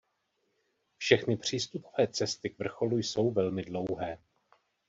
Všechny přístupové cesty k vrcholu jsou velmi dlouhé.